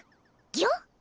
ギョ？